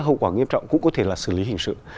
hậu quả nghiêm trọng cũng có thể là xử lý hình sự